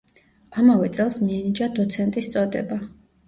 ამავე წელს მიენიჭა დოცენტის წოდება.